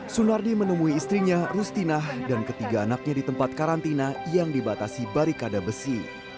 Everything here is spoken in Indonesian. sunardi menemui istrinya rustinah dan ketiga anaknya di tempat karantina yang dibatasi barikada besi